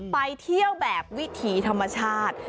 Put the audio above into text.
ไปเที่ยวแบบวิถีธรรมชาติ